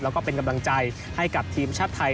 แล้วก็เป็นกำลังใจให้กับทีมชาติไทย